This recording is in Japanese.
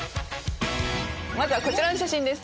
まずはこちらの写真です。